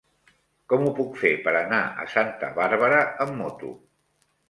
Com ho puc fer per anar a Santa Bàrbara amb moto?